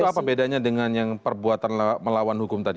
apa bedanya dengan yang perbuatan melawan hukum tadi